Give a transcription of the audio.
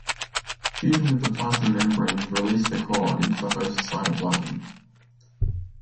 Fusion with the plasma membrane to release the core into the host cytoplasm.